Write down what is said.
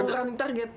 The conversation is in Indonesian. langsung running target